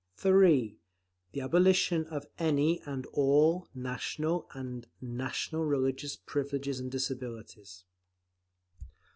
(3) The abolition of any and all national and national religious privileges and disabilities.